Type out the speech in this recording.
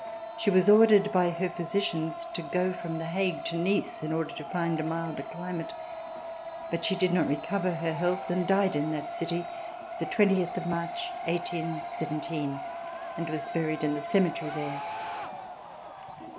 She was ordered by her physicians to go from The Hague to Nice in order to find a milder climate, but she did not recover her health and died in that city the twentieth of March, 1817, and was buried in the cemetery there.